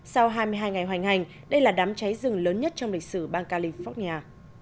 sau hai mươi hai ngày hoành hành đây là đám cháy rừng lớn nhất trong lịch sử bang california